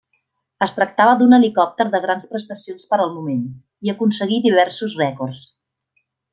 Es tractava d'un helicòpter de grans prestacions per al moment i aconseguí diversos rècords.